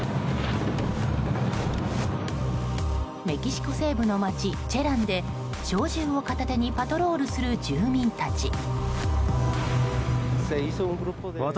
メキシコ西部の町チェランで小銃を片手にパトロールする住民たち。